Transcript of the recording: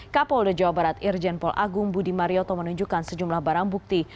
kapolda jawa barat irjen pol agung budi marioto menunjukkan sejumlah barang bukti